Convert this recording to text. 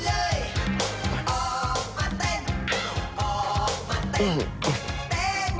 ออกมาเต้นออกมาเต้นเต้น